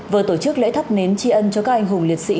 vừa tổ chức lễ thắp nến tri ân cho các anh hùng liệt sĩ